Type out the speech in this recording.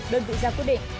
đơn vị ra quyết định